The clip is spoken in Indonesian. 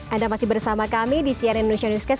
anda masih bersama kami di cnn indonesia newscast